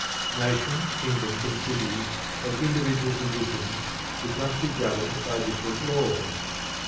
Nations, kingdoms, and cities have individual conditions which must be governed by different laws.